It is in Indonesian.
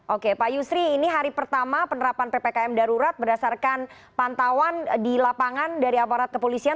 oke pak yusri ini hari pertama penerapan ppkm darurat berdasarkan pantauan di lapangan dari aparat kepolisian